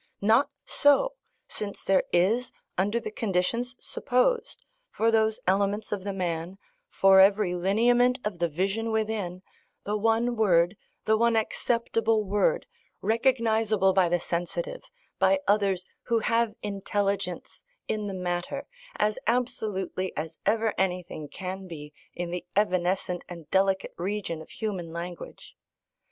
Not so! since there is, under the conditions supposed, for those elements of the man, for every lineament of the vision within, the one word, the one acceptable word, recognisable by the sensitive, by others "who have intelligence" in the matter, as absolutely as ever anything can be in the evanescent and delicate region of human language.